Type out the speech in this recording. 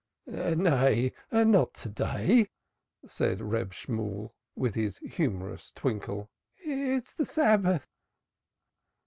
"Nay, not to day," said Reb Shemuel, with his humorous twinkle; "it is the Sabbath."